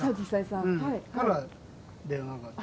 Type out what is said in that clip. うんから電話があって。